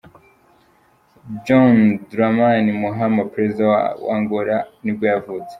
John Dramani Mahama, perezida wa wa Angola nibwo yavutse.